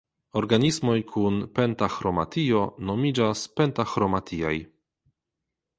Organismoj kun pentaĥromatio nomiĝas "pentaĥromatiaj".